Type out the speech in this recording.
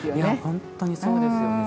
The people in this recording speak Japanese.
本当にそうですよね。